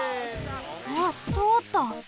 あっとおった！